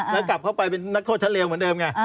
แล้วกลับเข้าไปเป็นนักโทษชั้นเลวเหมือนเดิมไง